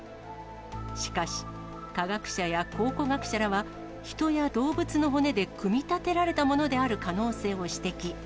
しかし、科学者や考古学者らは、人や動物の骨で組み立てられたものである可能性を指摘。